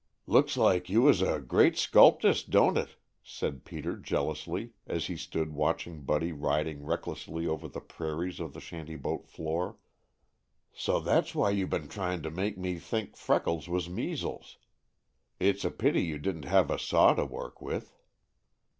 "Looks like you was a great sculpist, don't it?" said Peter jealously, as he stood watching Buddy riding recklessly over the prairies of the shanty boat floor. "So that's why you been trying to make me think freckles was measles. It's a pity you didn't have a saw to work with."